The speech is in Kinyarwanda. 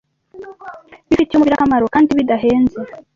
bifitiye umubiri akamaro kandi bidahenze